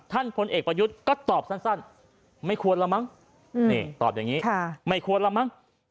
พลเอกประยุทธ์ก็ตอบสั้นไม่ควรละมั้งนี่ตอบอย่างนี้ไม่ควรละมั้ง